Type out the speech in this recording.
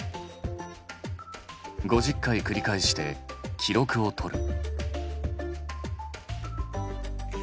５０回繰り返して記録をとる。